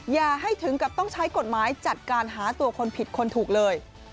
อย่าให้ถึงกับต้องใช้กฎหมายจัดการหาตัวคนผิดคนถูกเลย